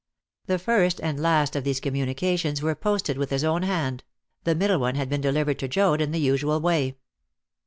The first and last of these communications were posted with his own hand; the middle one had been delivered to Joad in the usual way.